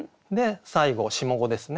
最後下五ですね。